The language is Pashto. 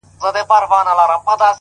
نیک اخلاق د خلکو په یاد پاتې کېږي